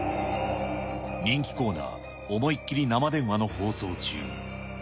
人気コーナー、おもいッきり生電話の放送中。